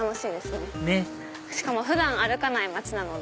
ねっしかも普段歩かない街なので。